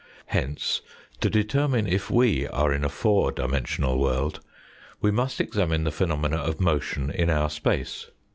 Hence, to determine if we are in a four dimensional world, we must examine the phenomena of motion in our space.